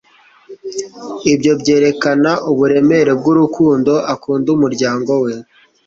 Ibyo byerekana uburemere bwurukundo akunda umuryango we.